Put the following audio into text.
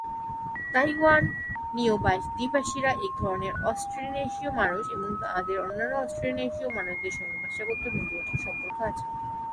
তাইওয়ানীয় আদিবাসীরা এক ধরনের অস্ট্রোনেশীয় মানুষ, এবং তাদের অন্যান্য অস্ট্রোনেশীয় মানুষদের সঙ্গে ভাষাগত এবং জেনেটিক সম্পর্ক আছে।